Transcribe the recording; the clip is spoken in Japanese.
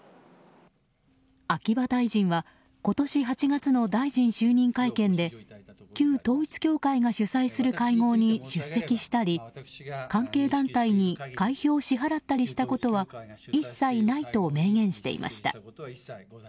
秋葉大臣は今年８月の大臣就任会見で旧統一教会が主催する会合に出席したり関係団体に会費を支払ったりしたことは一切ないと明言していました。